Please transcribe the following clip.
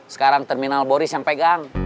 sekarang terminal boris yang pegang